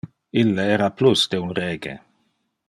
Ille era plus de un rege.